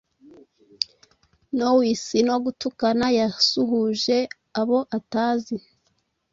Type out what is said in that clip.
Nowise no gutukana yasuhuje abo atazi